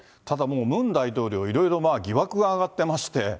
ただもう、ムン大統領、いろいろ疑惑が上がってまして。